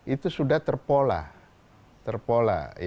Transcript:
itu sudah terpola